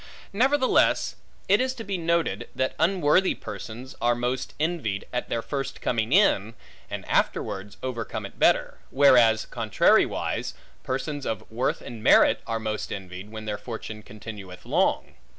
Nevertheless it is to be noted, that unworthy persons are most envied, at their first coming in, and afterwards overcome it better; whereas contrariwise, persons of worth and merit are most envied, when their fortune continueth long.